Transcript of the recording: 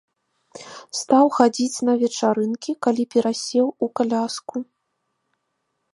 Стаў хадзіць на вечарынкі, калі перасеў у каляску.